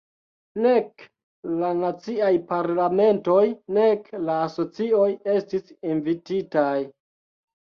Nek la naciaj parlamentoj nek la asocioj estis invititaj.